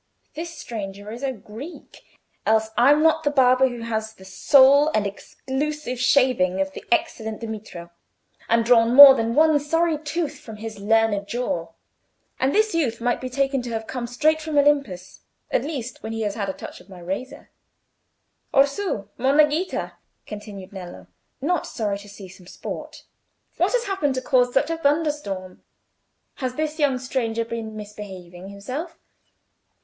This stranger is a Greek, else I'm not the barber who has had the sole and exclusive shaving of the excellent Demetrio, and drawn more than one sorry tooth from his learned jaw. And this youth might be taken to have come straight from Olympus—at least when he has had a touch of my razor." "Orsù! Monna Ghita!" continued Nello, not sorry to see some sport; "what has happened to cause such a thunderstorm? Has this young stranger been misbehaving himself?"